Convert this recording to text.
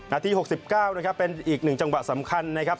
นาที๖๙นะครับเป็นอีกหนึ่งจังหวะสำคัญนะครับ